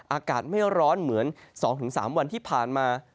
อากาศไม่ร้อนเหมือน๒๓วันที่ผ่านมา